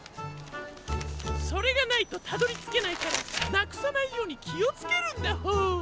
それがないとたどりつけないからなくさないようにきをつけるんだホォー。